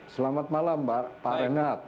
selamat malam pak renat